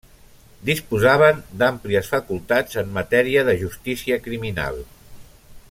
Disposaven d'àmplies facultats en matèria de justícia criminal.